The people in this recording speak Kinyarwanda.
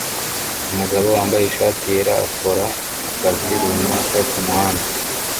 Umugabo wambaye ishati yera akora akazi runaka kumuhanda